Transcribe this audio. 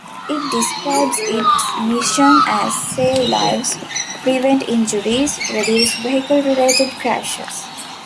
It describes its mission as Save lives, prevent injuries, reduce vehicle-related crashes.